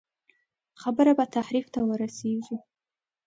خبره به تحریف ته ورسېږي.